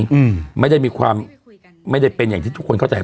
อืมไม่ได้มีความไม่ได้เป็นอย่างที่ทุกคนเข้าใจ